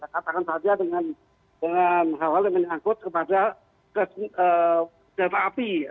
katakan saja dengan hal hal yang menyangkut kepada kereta api